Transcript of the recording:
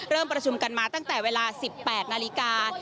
ประชุมกันมาตั้งแต่เวลา๑๘นาฬิกา